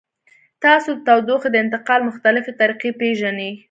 تاسو د تودوخې د انتقال مختلفې طریقې پیژنئ؟